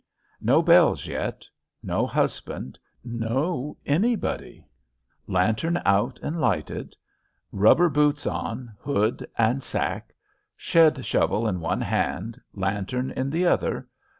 No bells yet, no husband, no anybody. Lantern out and lighted. Rubber boots on, hood and sack. Shed shovel in one hand, lantern in the other.